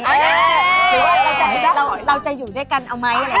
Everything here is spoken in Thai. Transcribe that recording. หรือว่าเราจะอยู่ด้วยกันเอาไหม